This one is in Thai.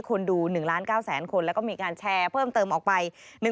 คนดู๑๙๐๐๐๐๐คนแล้วก็มีงานแชร์เพิ่มเติมออกไป